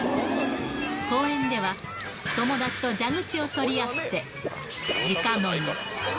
公園では、友達と蛇口を取り合って、じか飲み。